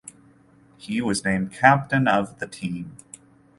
He was named captain of the team.